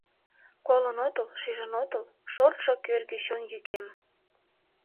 Колын отыл, шижын отыл Шортшо кӧргӧ чон йӱкем.